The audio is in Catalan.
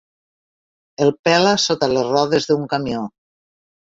El pela sota les rodes d'un camió.